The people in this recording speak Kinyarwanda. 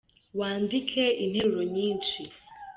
Wandike interuro nyishi.